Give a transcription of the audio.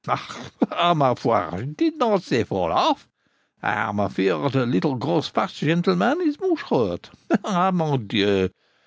Ah! par ma foi, I did not say fall off! I am a fear de little gross fat gentilman is moche hurt. Ah, mon Dieu!